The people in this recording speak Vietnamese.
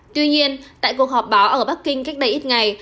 tuy nhiên tại cuộc họp báo ở bắc kinh cách đây ít ngày